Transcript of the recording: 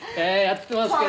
やってますか？